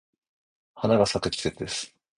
花が咲く季節です。